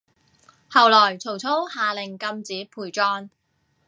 後來曹操下令禁止陪葬